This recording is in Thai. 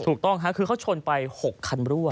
ถูกต้องค่ะคือเขาชนไป๖คันรั่ว